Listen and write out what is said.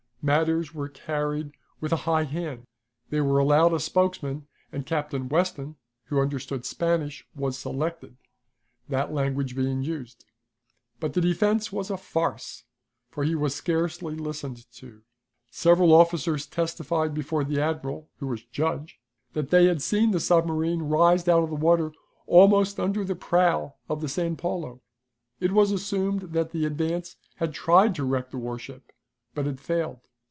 Matters were carried with a high hand. They were allowed a spokesman, and Captain Weston, who understood Spanish, was selected, that language being used. But the defense was a farce, for he was scarcely listened to. Several officers testified before the admiral, who was judge, that they had seen the submarine rise out of the water, almost under the prow of the San Paulo. It was assumed that the Advance had tried to wreck the warship, but had failed.